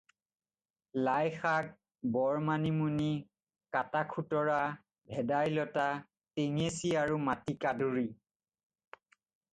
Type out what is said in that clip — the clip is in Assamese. লাই শাক, বৰ মানিমুনি, কাটা খুতৰা, ভেদাই লতা, টেঙেচি আৰু মাটি কাদুৰি।